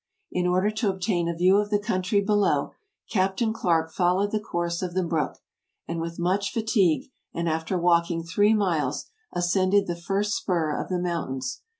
In order to obtain a view of the country below, Captain Clarke followed the course of the brook, and with much fatigue, and after walking three miles, ascended the first spur of the mountains.